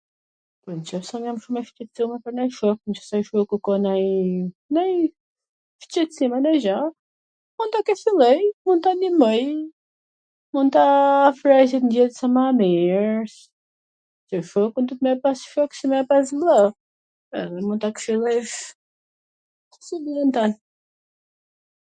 Po nw qoft se jam shum e shqetsume pwr nanj shok, kur ka nanj naj shqetsim a nanj gjw, po, mund ta kwshilloj, mund ta nimoj, mund ta afroj qw tw ndihet sa ma mir, se shokun duhet me e pas shok si me e pas vlla, edhe mund ta kwshillojsh si njeriun tat.